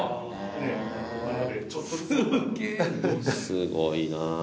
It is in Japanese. すごいな。